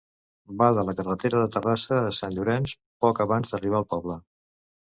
Va de la carretera de Terrassa a Sant Llorenç, poc abans d'arribar al poble.